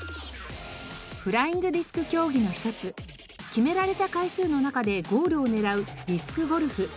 フライングディスク競技の一つ決められた回数の中でゴールを狙うディスクゴルフ。